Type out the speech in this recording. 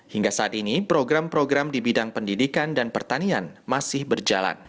hingga saat ini program program di bidang pendidikan dan pertanian masih berjalan